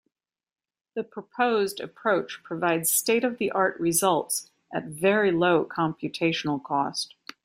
The proposed approach provides state-of-the-art results at very low computational cost.